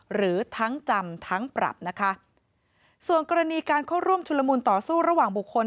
หรือทั้งจำทั้งปรับนะคะส่วนกรณีการเข้าร่วมชุลมูลต่อสู้ระหว่างบุคคล